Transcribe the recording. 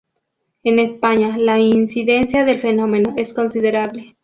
En España, la incidencia del fenómeno es considerable.